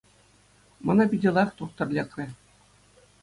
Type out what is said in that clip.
Мана питӗ лайӑх тухтӑр лекрӗ.